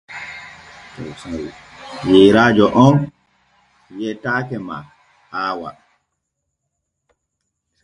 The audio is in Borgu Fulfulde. Yeyrajo om wiataake ma haawa.